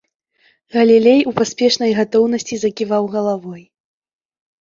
Галілей у паспешнай гатоўнасці заківаў галавой.